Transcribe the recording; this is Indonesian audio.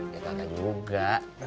ya enggak juga